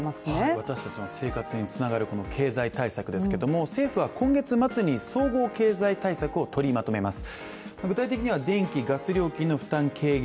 私たちの生活につながる経済対策ですけども、政府は今月末に総合経済対策を取りまとめます。